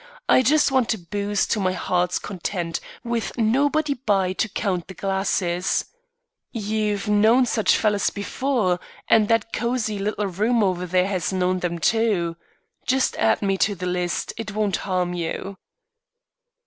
I just want to booze to my heart's content, with nobody by to count the glasses. You've known such fellers before, and that cosey, little room over there has known them, too. Just add me to the list; it won't harm you."